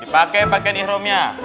dipakai pakaian ihramnya